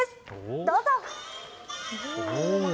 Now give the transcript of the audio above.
どうぞ。